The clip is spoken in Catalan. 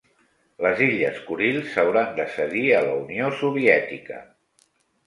Les illes Kurils s'hauran de cedir a la Unió Soviètica.